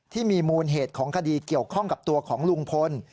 ที่มีมูลเหตุของคดีเกี่ยวข้องกับตัวของลุงพล